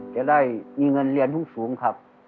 จะได้มีเงินเรียนสูงครับ